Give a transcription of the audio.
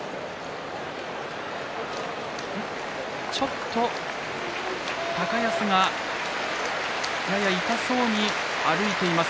ちょっと高安がやや痛そうに歩いています。